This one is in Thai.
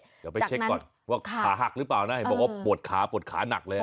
เดี๋ยวไปเช็คก่อนว่าขาหักหรือเปล่านะเห็นบอกว่าปวดขาปวดขาหนักเลย